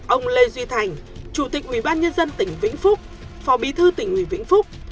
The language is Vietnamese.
ông lê duy thành chủ tịch ubnd tỉnh vĩnh phúc phó bí thư tỉnh hủy vĩnh phúc